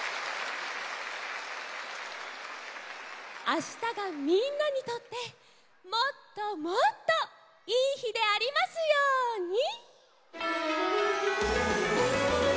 あしたがみんなにとってもっともっといいひでありますように！